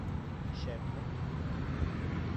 Шәпме?